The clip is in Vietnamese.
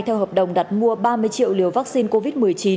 theo hợp đồng đặt mua ba mươi triệu liều vaccine covid một mươi chín